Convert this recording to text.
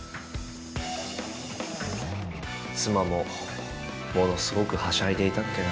妻もものすごくはしゃいでいたっけな。